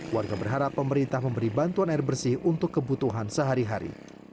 warga berharap pemerintah memberi bantuan air bersih untuk kebutuhan sehari hari